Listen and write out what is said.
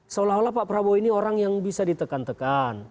seolah olah pak prabowo ini orang yang bisa ditekan tekan